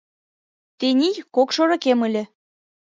Тений кок шорыкем ыле.